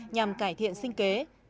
nhằm cải thiện sinh kế